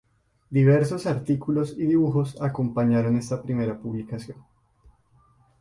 Diversos artículos y dibujos acompañaron esta primera publicación.